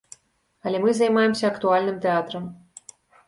Але мы займаемся актуальным тэатрам.